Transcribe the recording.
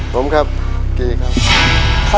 ผมครับกี่ครับ